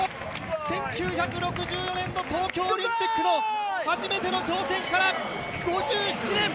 １９６４年の東京オリンピックの初めての挑戦から５７年！